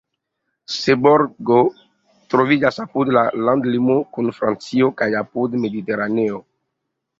Seborgo troviĝas apud la landlimo kun Francio kaj apud Mediteraneo.